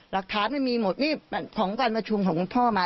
รักษามันมีหมดนี่ของการบัดชุมของของพ่อมา